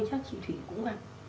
chắc chị thủy cũng vậy